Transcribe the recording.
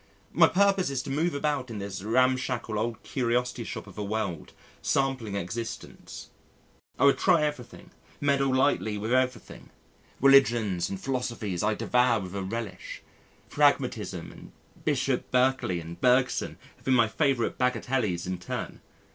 My purpose is to move about in this ramshackle, old curiosity shop of a world sampling existence. I would try everything, meddle lightly with everything. Religions and philosophies I devour with a relish, Pragmatism and Bishop Berkeley and Bergson have been my favourite bagatelles in turn.